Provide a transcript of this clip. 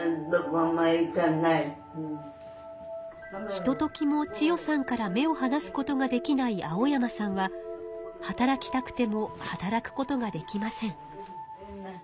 ひとときも千代さんから目をはなすことができない青山さんは働きたくても働くことができません。